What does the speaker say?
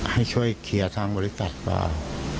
ให้ช่วยเคลียร์ทางบริษัทว่า